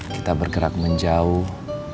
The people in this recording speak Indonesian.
kita bergerak menjauh